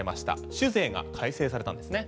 酒税が改正されたんですね。